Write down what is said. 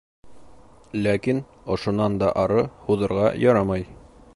Ләкин ошонан да ары һуҙырға ярамай.